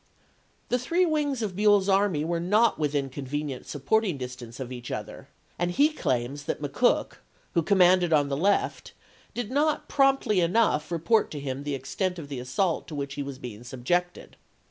The three wings of Buell's army were not within convenient support ing distance of each other, and he claims that Mc Cook, who commanded on the left, did not promptly enough report to him the extent of the assault to which he was subjected.